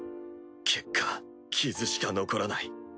結果傷しか残らない。